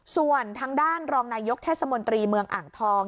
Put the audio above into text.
ส่วนทางด้านรองนายกเทศมนตรีเมืองอ่างทอง